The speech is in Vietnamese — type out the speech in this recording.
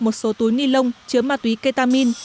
một số túi ni lông chứa ma túy ketamin